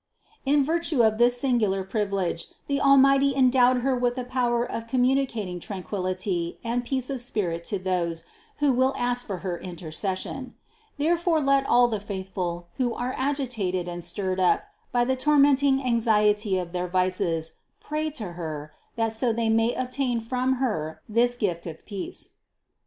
In virtue of this singular privilege the Almighty endowed Her with the power of communicating tranquillity and peace of spirit to those, who will ask for her intercession. There fore let all the faithful, who are agitated and stirred up by the tormenting anxiety of their vices, pray to Her, that so they may obtain from Her this gift of peace.